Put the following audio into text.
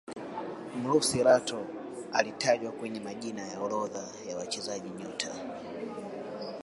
mrusi lato alitajwa kwenye majina ya orodha ya wachezaji nyota